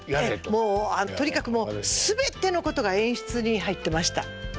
もうとにかく全てのことが演出に入ってました。